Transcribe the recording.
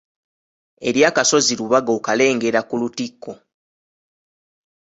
Eri akasozi Lubaga okalengera ku lutikko.